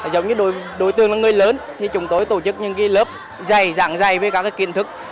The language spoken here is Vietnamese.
giống như đối tượng là người lớn thì chúng tôi tổ chức những lớp dày dạng dày với các kiến thức